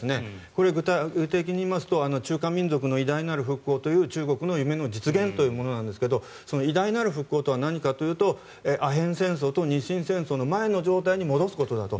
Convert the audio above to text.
これ、具体的に言いますと中華民族の偉大なる復興という中国の夢の実現というんですが偉大なる復興とはないかというとアヘン戦争と日清戦争の前の状態に戻すことだと。